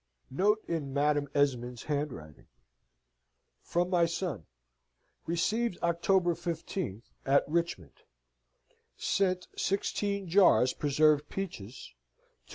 Note in Madam Esmond's Handwriting, "From my son. Received October 15 at Richmond. Sent 16 jars preserved peaches, 224 lbs.